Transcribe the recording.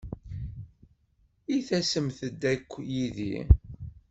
I tasemt-d akk yid-i?